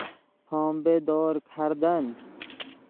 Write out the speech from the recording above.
پنبه دار کردن